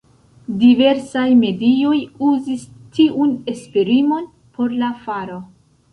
Diversaj medioj uzis tiun esprimon por la faro.